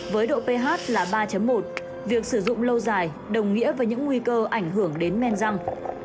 với độ ph là ba một việc sử dụng lâu dài đồng nghĩa với những nguy cơ ảnh hưởng đến men răm